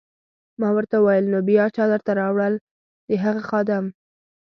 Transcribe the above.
ما ورته وویل: نو بیا چا درته راوړل؟ د هغه خادم.